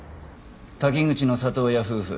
滝口の里親夫婦